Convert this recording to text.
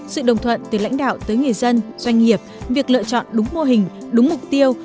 sự đồng thuận từ lãnh đạo tới người dân doanh nghiệp việc lựa chọn đúng mô hình đúng mục tiêu